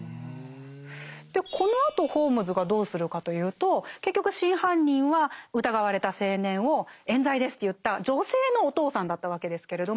でこのあとホームズがどうするかというと結局真犯人は疑われた青年を冤罪ですと言った女性のお父さんだったわけですけれども。